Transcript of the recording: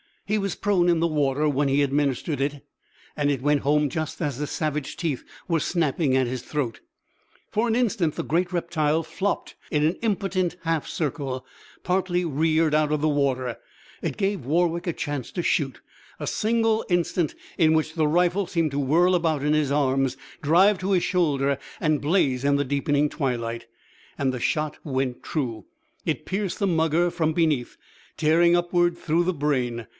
He was prone in the water when he administered it, and it went home just as the savage teeth were snapping at his throat. For an instant the great reptile flopped in an impotent half circle, partly reared out of the water. It gave Warwick a chance to shoot, a single instant in which the rifle seemed to whirl about in his arms, drive to his shoulder, and blaze in the deepening twilight. And the shot went true. It pierced the mugger from beneath, tearing upward through the brain.